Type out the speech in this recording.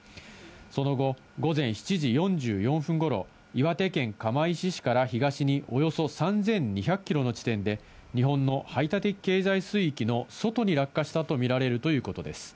その後、午前７時４４分頃、岩手県釜石市から東におよそ３２００キロの地点で日本の排他的経済水域の外に落下したとみられるということです。